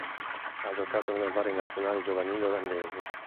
Ha giocato nelle varie nazionali giovanili olandesi.